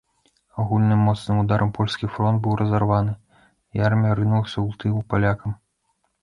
Агульным моцным ударам польскі фронт быў разарваны, і армія рынулася ў тыл палякам.